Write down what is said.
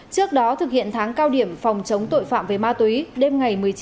trước đó thực hiện tháng cao điểm phòng chống tội phạm về ma túy